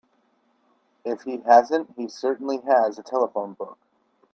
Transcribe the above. If he hasn't he certainly has a telephone book.